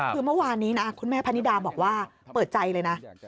คือเมื่อวานนี้นะคุณแม่พนิดาบอกว่าเปิดใจเลยนะ